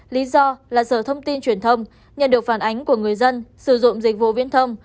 lý do là sở thông tin truyền thông nhận được phản ánh của người dân sử dụng dịch vụ viễn thông